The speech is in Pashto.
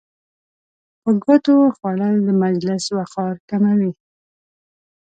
په ګوتو خوړل د مجلس وقار کموي.